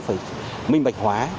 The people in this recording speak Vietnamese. phải minh bạch hóa